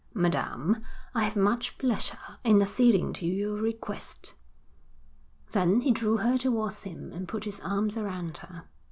'Madam, I have much pleasure in acceding to your request.' Then he drew her towards him and put his arms around her.